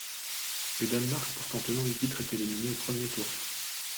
Le Danemark pourtant tenant du titre est éliminé au premier tour.